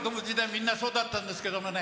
みんなそうだったんですけどもね。